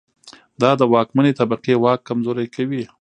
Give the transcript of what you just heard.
دا د واکمنې طبقې واک کمزوری کوي.